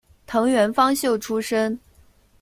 藤原芳秀出身。